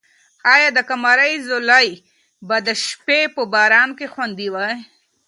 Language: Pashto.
آیا د قمرۍ ځالۍ به د شپې په باران کې خوندي وي؟